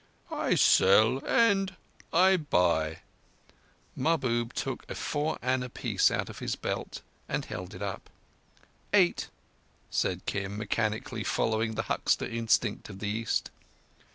"I sell and—I buy." Mahbub took a four anna piece out of his belt and held it up. "Eight!" said Kim, mechanically following the huckster instinct of the East.